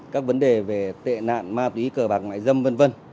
các vấn đề về tệ nạn ma túy cờ bạc mại dâm v v